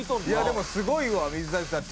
でもすごいわ水谷さん。